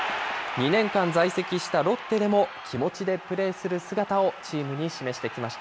２年間在籍したロッテでも、気持ちでプレーする姿をチームに示してきました。